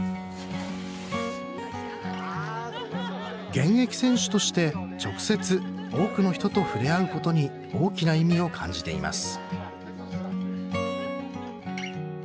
現役選手として直接多くの人と触れ合うことに大きな意味を感じています